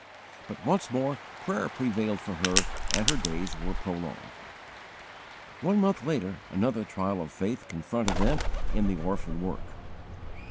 But once more prayer prevailed for her and her days were prolonged. One month later another trial of faith confronted them in the orphan work.